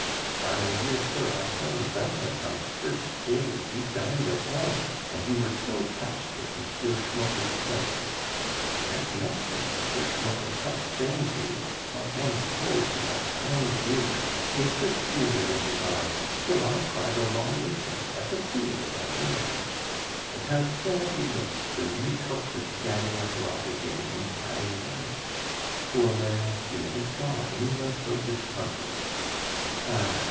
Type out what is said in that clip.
Why, my dear sir, I found that out the first day that you dined at home, and you were so touched with M. Schmucke's pleasure. And next day M. Schmucke kept saying to me, 'Montame Zipod, he haf tined hier,' with the tears in his eyes, till I cried along with him like a fool, as I am. And how sad he looked when you took to gadding abroad again and dining out! Poor man, you never saw any one so disconsolate! Ah!